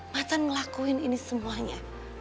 macan ngelakuin ini semuanya